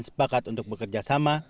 sepakat untuk bekerja sama